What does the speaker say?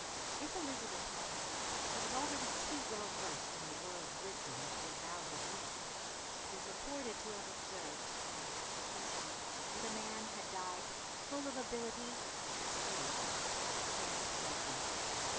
If Elizabeth mourned him she was already too well versed in the world's wisdom to avow her grief, and is reported to have observed, on his execution, that a man had died full of ability (esprit) but of scant judgment.